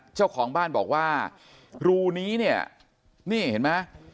เจ้าของบ้านบอกว่ารูนี้เนี่ยนี่เห็นไหม